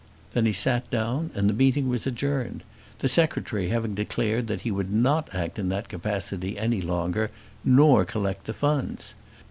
Then he sat down and the meeting was adjourned, the secretary having declared that he would not act in that capacity any longer, nor collect the funds.